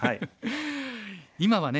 今はね